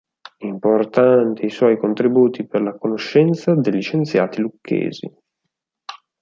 Importanti i suoi contributi per la conoscenza degli scienziati lucchesi.